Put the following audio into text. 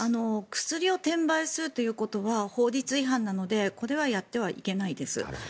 薬を転売するということは法律違反なのでこれはやってはいけないです。